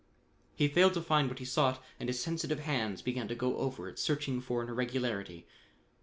He failed to find what he sought and his sensitive hands began to go over it searching for an irregularity.